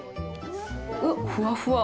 うわっ、ふわふわ！